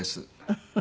フフフ。